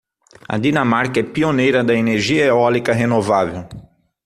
A Dinamarca é pioneira da energia eólica renovável.